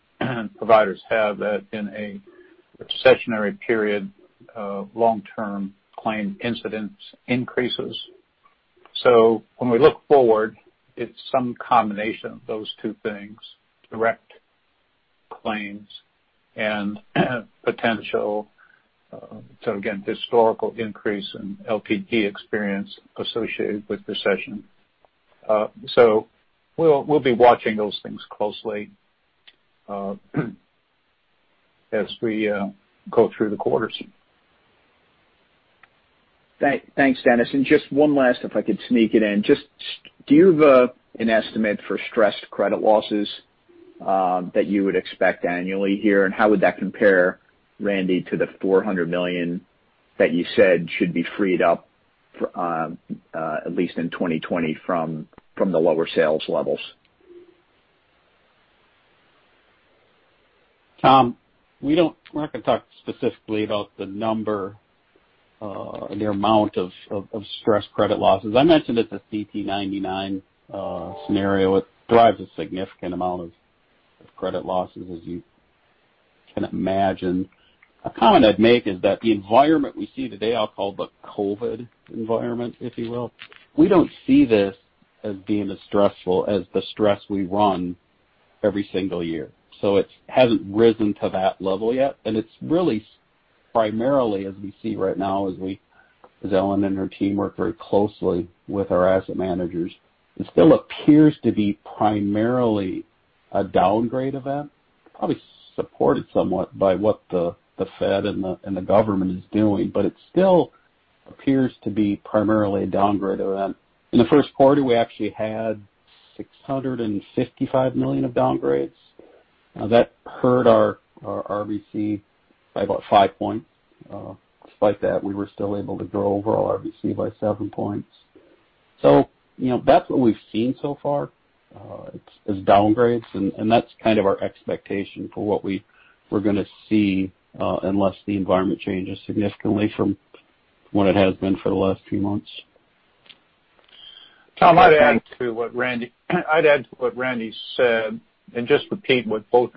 providers have that in a recessionary period of long-term claim incidence increases. When we look forward, it's some combination of those two things, direct claims and potential. Again, historical increase in LTD experience associated with recession. We'll be watching those things closely as we go through the quarters. Thanks, Dennis. Just one last, if I could sneak it in. Do you have an estimate for stressed credit losses that you would expect annually here, and how would that compare, Randy, to the $400 million that you said should be freed up at least in 2020 from the lower sales levels? Tom, we're not going to talk specifically about the amount of stress credit losses. I mentioned it's a CTE 99 scenario. It drives a significant amount of credit losses, as you can imagine. A comment I'd make is that the environment we see today, I'll call the COVID environment, if you will, we don't see this as being as stressful as the stress we run every single year. It hasn't risen to that level yet, and it's really primarily, as we see right now, as Ellen and her team work very closely with our asset managers, it still appears to be primarily a downgrade event, probably supported somewhat by what the Fed and the government is doing, but it still appears to be primarily a downgrade event. In the first quarter, we actually had $655 million of downgrades. That hurt our RBC by about five points. Despite that, we were still able to grow overall RBC by seven points. That's what we've seen so far is downgrades, and that's kind of our expectation for what we were going to see, unless the environment changes significantly from what it has been for the last few months. Tom, I'd add to what Randy said and just repeat what both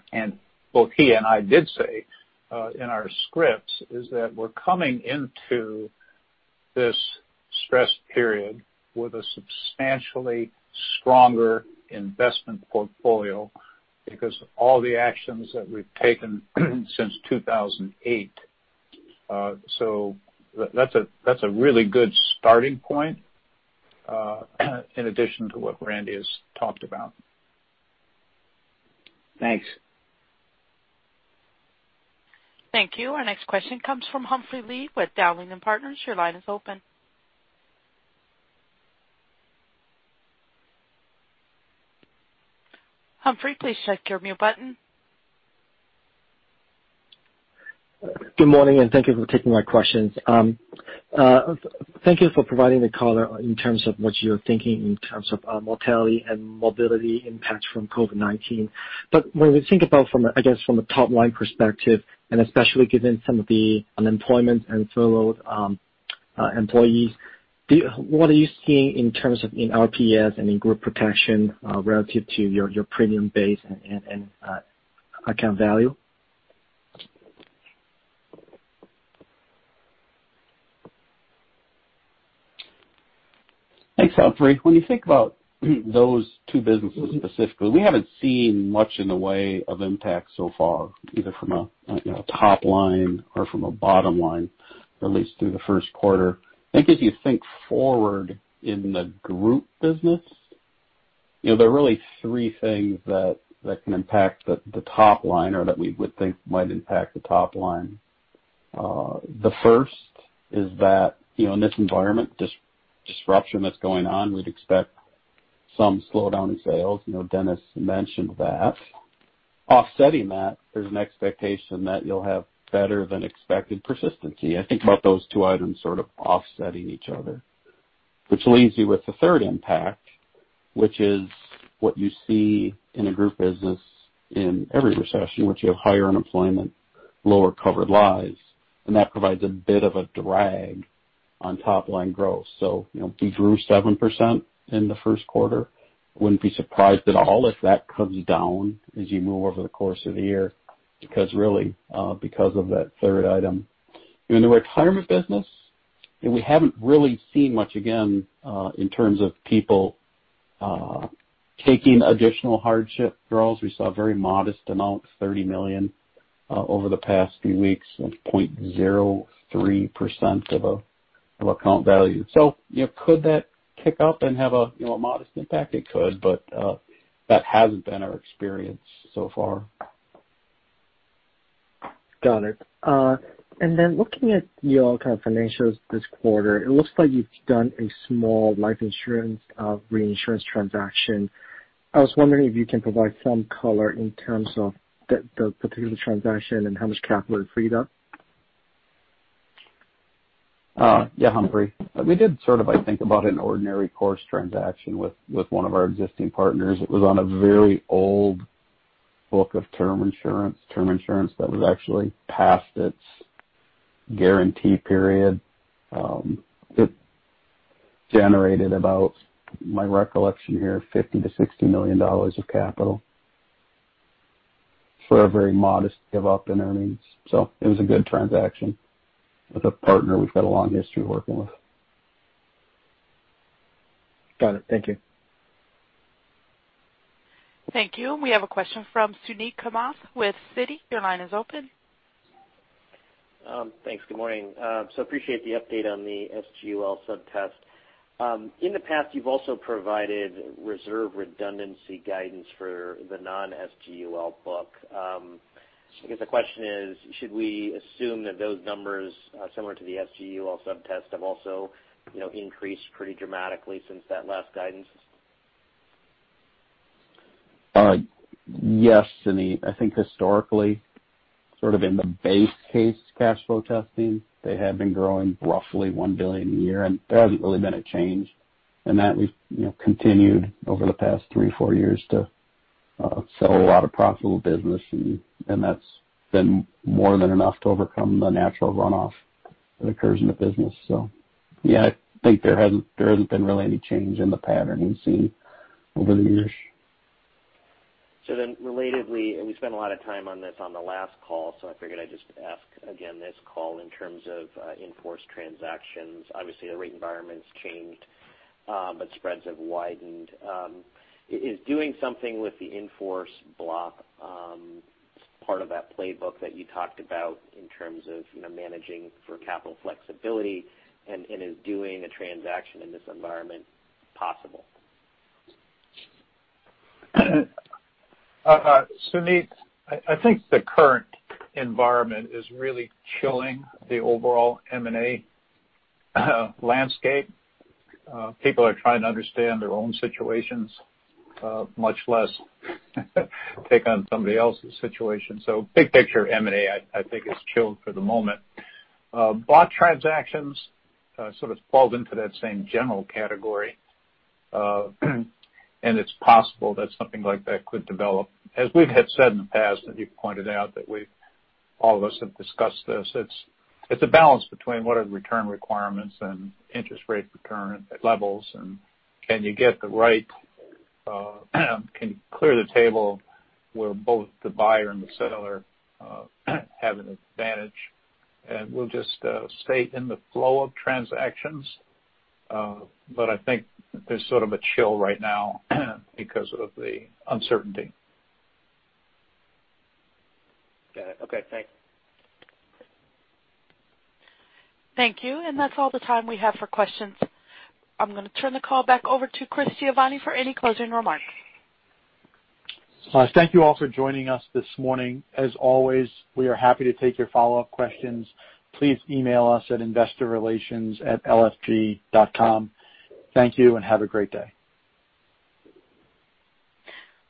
he and I did say in our scripts, is that we're coming into this stress period with a substantially stronger investment portfolio because all the actions that we've taken since 2008. That's a really good starting point in addition to what Randy has talked about. Thanks. Thank you. Our next question comes from Humphrey Lee with Dowling & Partners. Your line is open. Humphrey, please check your mute button. Good morning, and thank you for taking my questions. Thank you for providing the color in terms of what you're thinking in terms of mortality and mobility impacts from COVID-19. When we think about from a top-line perspective, and especially given some of the unemployment and furloughed employees, what are you seeing in terms of RPS and in Group Protection relative to your premium base and account value? Thanks, Humphrey. When you think about those two businesses specifically, we haven't seen much in the way of impact so far, either from a top line or from a bottom line, at least through the first quarter. I think if you think forward in the Group business, there are really three things that can impact the top line or that we would think might impact the top line. The first is that in this environment, disruption that's going on, we'd expect some slowdown in sales. Dennis mentioned that. Offsetting that, there's an expectation that you'll have better than expected persistency. I think about those two items sort of offsetting each other. That leaves you with the third impact, which is what you see in a Group business in every recession, which you have higher unemployment, lower covered lives, and that provides a bit of a drag on top-line growth. We grew 7% in the first quarter. Wouldn't be surprised at all if that comes down as you move over the course of the year because of that third item. In the Retirement business, we haven't really seen much again in terms of people taking additional hardship draws. We saw very modest amounts, $30 million over the past few weeks, that's 0.03% of account value. Could that kick up and have a modest impact? It could, but that hasn't been our experience so far. Got it. Looking at you all kind of financials this quarter, it looks like you've done a small life insurance reinsurance transaction. I was wondering if you can provide some color in terms of the particular transaction and how much capital it freed up. Humphrey. We did about an ordinary course transaction with one of our existing partners. It was on a very old book of term insurance. Term insurance that was actually past its guarantee period. It generated about, my recollection here, $50 million to $60 million of capital for a very modest give up in earnings. It was a good transaction with a partner we've got a long history working with. Got it. Thank you. Thank you. We have a question from Suneet Kamath with Citi. Your line is open. Thanks. Good morning. Appreciate the update on the SGUL sub-test. In the past, you've also provided reserve redundancy guidance for the non-SGUL book. I guess the question is, should we assume that those numbers are similar to the SGUL sub-test have also increased pretty dramatically since that last guidance? Yes, Suneet. I think historically, sort of in the base case cash flow testing, they have been growing roughly $1 billion a year, and there hasn't really been a change in that. We've continued over the past three, four years to Sell a lot of profitable business. That's been more than enough to overcome the natural runoff that occurs in the business. Yeah, I think there hasn't been really any change in the pattern we've seen over the years. Relatedly, we spent a lot of time on this on the last call. I figured I'd just ask again this call in terms of in-force transactions. Obviously, the rate environment's changed, but spreads have widened. Is doing something with the in-force block part of that playbook that you talked about in terms of managing for capital flexibility and is doing a transaction in this environment possible? Suneet, I think the current environment is really chilling the overall M&A landscape. People are trying to understand their own situations, much less take on somebody else's situation. Big picture, M&A, I think is chilled for the moment. Block transactions sort of fall into that same general category. It's possible that something like that could develop. As we have said in the past, and you've pointed out that all of us have discussed this, it's a balance between what are the return requirements and interest rate return levels, and can you get the right. Can you clear the table where both the buyer and the seller have an advantage? We'll just stay in the flow of transactions. I think there's sort of a chill right now because of the uncertainty. Got it. Okay, thanks. Thank you. That's all the time we have for questions. I'm going to turn the call back over to Christopher Giovanni for any closing remarks. Thank you all for joining us this morning. As always, we are happy to take your follow-up questions. Please email us at investorrelations@lfg.com. Thank you and have a great day.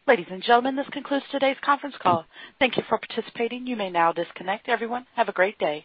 Ladies and gentlemen, this concludes today's conference call. Thank you for participating. You may now disconnect. Everyone, have a great day.